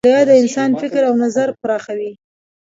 مطالعه د انسان فکر او نظر پراخوي.